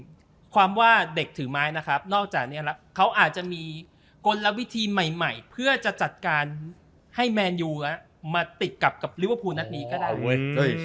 อันนี้เสิร์ฟนิดนึงความว่าเด็กถือไม้นะครับนอกจากนี้ครับเขาอาจจะมีกฎและวิธีใหม่เพื่อจะจัดการให้แมนยูมาติดกลับกับลิเวอร์พูลนักนี้ก็ได้